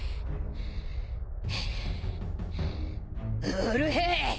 うるへえ。